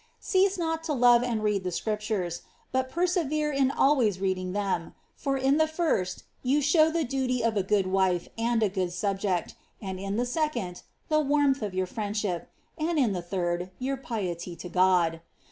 Cease not to love Uid read the Scriptures, but persevere in always reading them ; for in the first fou show the duty of a good wife and a good subject, and in tlie second, the warmth of your friendship, and in the third, your piety to God.